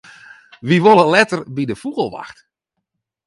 Wy wolle letter by de fûgelwacht.